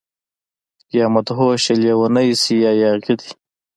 يا مدهوشه، لیونۍ شي يا ياغي دي